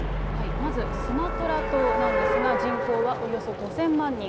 まず、スマトラ島なんですが、人口はおよそ５０００万人。